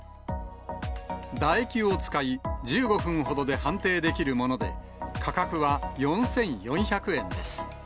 唾液を使い、１５分ほどで判定できるもので、価格は４４００円です。